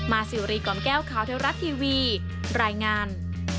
สิวรีกล่อมแก้วข่าวเทวรัฐทีวีรายงาน